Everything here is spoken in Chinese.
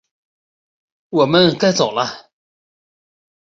我们该走了